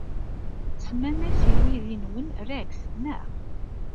Tsemmam-as i weydi-nwen Rex, naɣ?